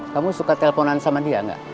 kamu suka teleponan sama dia nggak